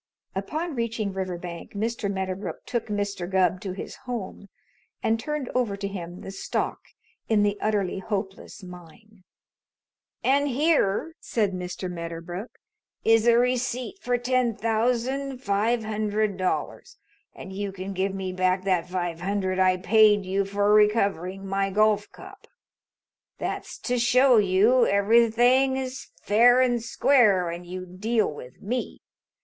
Upon reaching Riverbank Mr. Medderbrook took Mr. Gubb to his home and turned over to him the stock in the Utterly Hopeless Mine. "And here," said Mr. Medderbrook, "is a receipt for ten thousand five hundred dollars, and you can give me back that five hundred I paid you for recovering of my golf cup. That's to show you everything is fair and square when you deal with me.